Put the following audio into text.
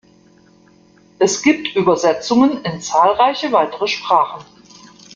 Es gibt Übersetzungen in zahlreiche weitere Sprachen.